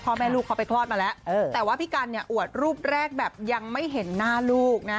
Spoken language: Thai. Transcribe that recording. พ่อแม่ลูกเขาไปคลอดมาแล้วแต่ว่าพี่กันเนี่ยอวดรูปแรกแบบยังไม่เห็นหน้าลูกนะ